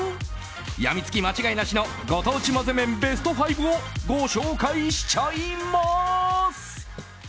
病みつき間違いなしのご当地まぜ麺ベスト５をご紹介しちゃいます！